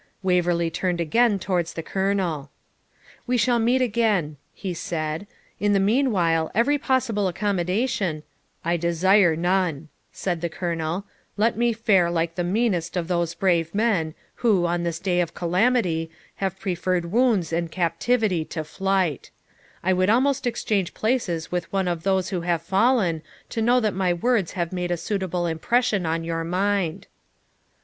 Waverley turned again towards the Colonel. 'We shall meet again,' he said; 'in the meanwhile, every possible accommodation ' 'I desire none,' said the Colonel; 'let me fare like the meanest of those brave men who, on this day of calamity, have preferred wounds and captivity to flight; I would almost exchange places with one of those who have fallen to know that my words have made a suitable impression on your mind.'